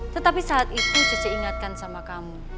tetapi saat itu justru ingatkan sama kamu